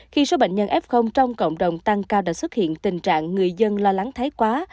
khi số bệnh nhân f trong cộng đồng tăng cao đã xuất hiện tình trạng người dân lo lắng thái quá